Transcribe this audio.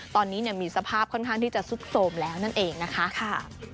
ตอนนี้มีสภาพค่อนข้างที่จะซุดโสมแล้วนั่นเองนะคะ